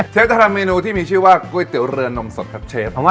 จะทำเมนูที่มีชื่อว่าก๋วยเตี๋ยวเรือนมสดครับเชฟ